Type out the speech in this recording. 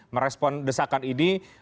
merespon desakan ini